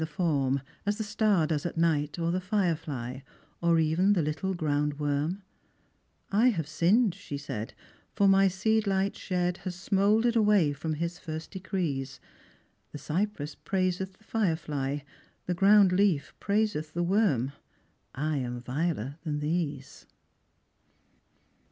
the form, Ab the star does at night, or the fire fly, or even the little ground wcrm i. " I have sinned," she said, " For my seed light shed Hag smouldered away from His first decrees. The cypress praiseth the fire fly, the ground leaf praiseth the worm ; I am viler than these."